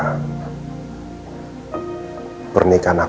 mungkin aku punya orang seperti catherine yang